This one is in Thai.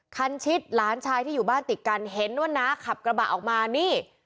คันชิดหลานชายที่อยู่บ้านติดกันเห็นว่าน้าขับกระบะออกมานี่